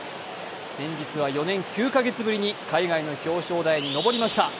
先日は４年９か月ぶりに海外の表彰式に上りました。